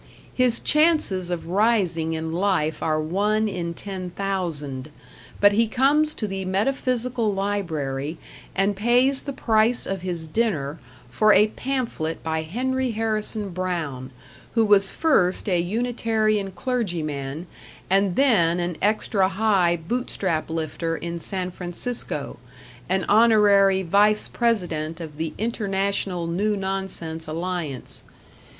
His chances of rising in life are one in ten thousand; but he comes to the Metaphysical Library, and pays the price of his dinner for a pamphlet by Henry Harrison Brown, who was first a Unitarian clergyman, and then an extra high Bootstrap lifter in San Francisco, an Honorary Vice President of the International New Nonsense Alliance.